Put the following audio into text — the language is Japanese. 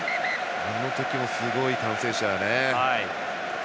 あの時もすごい歓声でしたよね。